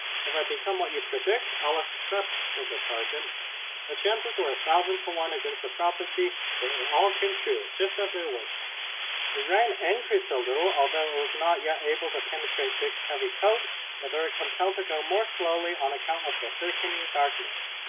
"If I become what you predict I'll accept," said the sergeant. The chances were a thousand to one against the prophecy, but it all came true, just as they wished. The rain increased a little, although it was not yet able to penetrate Dick's heavy coat, but they were compelled to go more slowly on account of the thickening darkness.